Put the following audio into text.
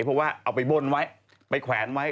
เพราะว่าเอาไปบ่นไว้ไปแขวนไว้